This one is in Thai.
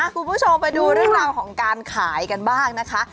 คุณผู้ชมไปดูเรื่องราวของการขายกันบ้างนะคะ